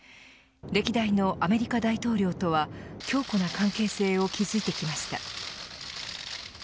歴代のアメリカ大統領とは強固な関係性を築いてきました。